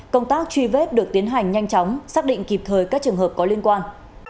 công tác truy vết được tiến hành nhanh chóng xác định kịp thời các trường hợp có liên quan